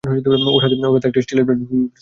ওর হাতে একটা স্টিলের প্লেট বসানো আছে।